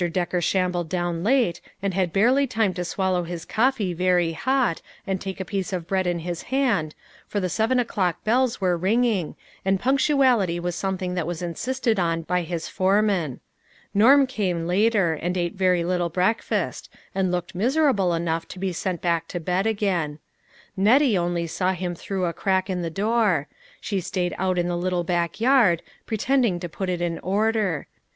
Decker shambled down late, and had barely time to swallow his coffee very hot, and take a piece of bread in his hand, for the seven o'clock bells were ringing, and punctuality was something that was insisted on by his foreman. Norm came later, and ate very little breakfast, and looked miserable enough to be sent back to bed again. Nettie only saw him through a crack in the door ; she stayed out in the little back yard, pretending to put it in order.